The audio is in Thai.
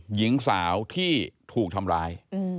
หญิงสาวที่ถูกทำร้าย